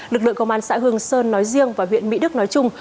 lực lượng công an xã hương sơn nói riêng và huyện mỹ đức nói chung